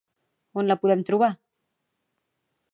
On la podem trobar?